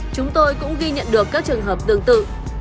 chúng tôi cũng ghi nhận được các trường hợp tương tự